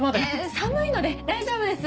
寒いので大丈夫です。